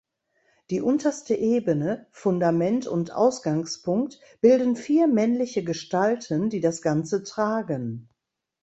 Die unterste Ebene, Fundament und Ausgangspunkt, bilden vier männliche Gestalten, die das Ganze tragen.